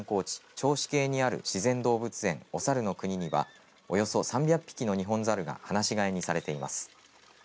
銚子渓にある自然動物園お猿の国にはおよそ３００匹のニホンザルが放し飼いにされています。